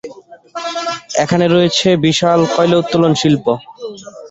এখানে রয়েছে বিশাল কয়লা উত্তোলন শিল্প।